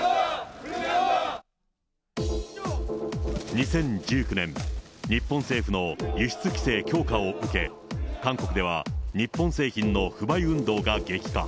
２０１９年、日本政府の輸出規制強化を受け、韓国では日本製品の不買運動が激化。